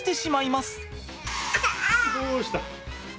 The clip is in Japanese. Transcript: どうした？